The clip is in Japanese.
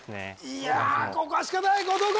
いやここは仕方ない後藤弘